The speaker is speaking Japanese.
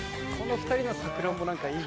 ２人の『さくらんぼ』いい。